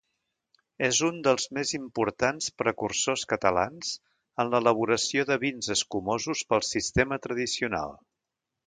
És un dels més importants precursors catalans en l'elaboració de vins escumosos pel sistema tradicional.